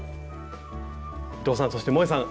伊藤さんそしてもえさん